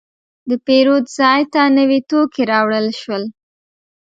د پیرود ځای ته نوي توکي راوړل شول.